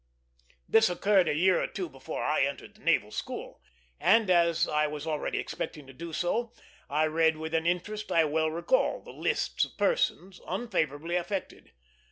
This occurred a year or two before I entered the Naval School: and, as I was already expecting to do so, I read with an interest I well recall the lists of person unfavorably affected.